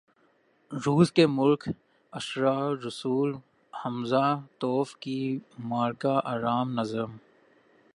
روس کے ملک اشعراء رسول ہمزہ توف کی مارکہ آرا نظم